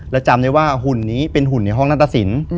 และจำได้ว่าหุ่นนี้เป็นหุ่นในห้องนัตรสิน